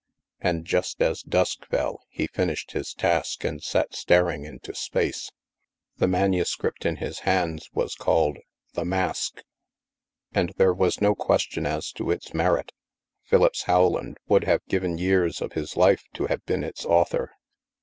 And just as dusk fell, he finished hi* task and sat staring into space. The manuscript in his hands was called "The Mask." And there was no question as to its merit — Philippse Rowland would have given years of his life to have been its author.